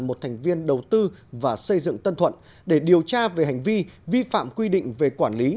một thành viên đầu tư và xây dựng tân thuận để điều tra về hành vi vi phạm quy định về quản lý